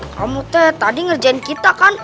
kamu tuh tadi ngerjain kita kan